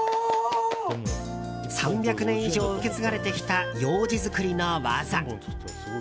３００年以上受け継がれてきたようじ作りの技。